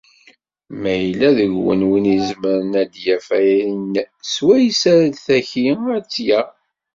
Ma yella deg-wen win i izemren ad d-yaf ayen swayes ara d-taki, ad tt-yaɣ.